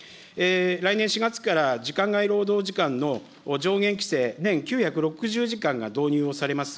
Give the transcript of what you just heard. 来年４月から時間外労働時間の上限規制、年９６０時間が導入をされます。